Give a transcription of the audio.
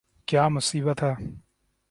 !کیا مصیبت ہے